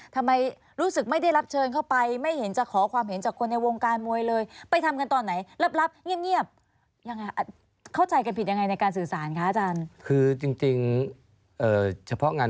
ทำไมรู้สึกไม่ได้รับเชิญเข้าไป